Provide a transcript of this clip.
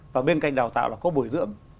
và bên cạnh đào tạo là có bồi dưỡng